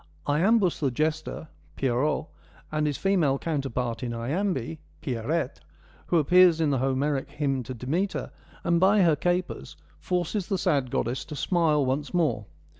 Iambus the jester, Pierrot, has his female counterpart in Iambe, Pierrette, who appears in the Homeric hymn to Demeter, and by her capers forces the sad goddess to smile once 46 FEMINISM IN GREEK LITERATURE more.